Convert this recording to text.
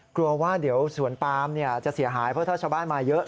กลัวว่าเดี๋ยวสวนปามจะเสียหายเพราะถ้าชาวบ้านมาเยอะ